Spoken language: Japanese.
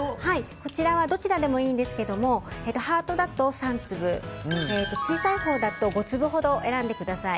こちらはどちらでもいいんですけどもハートだと、３粒小さいほうだと５粒ほど選んでください。